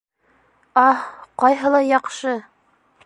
— Аһ, ҡайһылай яҡшы!